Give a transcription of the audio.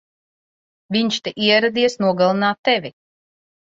Viņš te ieradies nogalināt tevi!